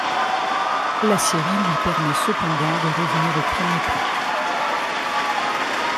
La série lui permet cependant de revenir au premier plan.